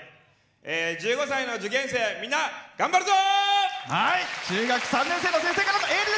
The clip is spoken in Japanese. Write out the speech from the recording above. １５歳の受験生、みんな頑張るぞ！